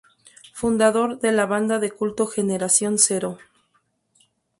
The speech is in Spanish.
Fundador de la banda de culto Generación Cero.